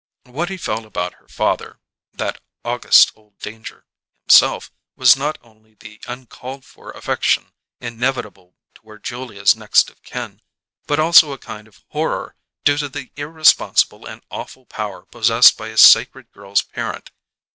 What he felt about her father, that august old danger, himself, was not only the uncalled for affection inevitable toward Julia's next of kin, but also a kind of horror due to the irresponsible and awful power possessed by a sacred girl's parent.